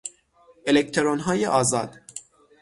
الکترونهای آزاد